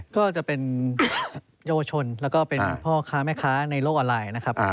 ก็จะเป็นเยาวชนแล้วก็เป็นพ่อค้าแม่ค้าในโลกออนไลน์นะครับ